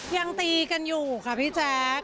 ยังตีกันอยู่ค่ะพี่แจ๊ค